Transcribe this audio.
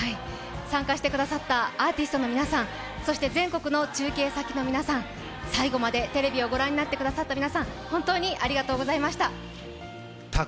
参加してくださったアーティストの皆さん、そして全国の中継先の皆さん、最後までテレビを御覧になってくださった皆さん、本当にありがとうございました。